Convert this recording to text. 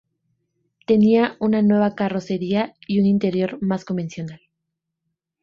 Tenía una nueva carrocería y un interior más convencional.